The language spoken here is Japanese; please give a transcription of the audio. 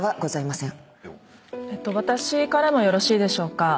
私からもよろしいでしょうか。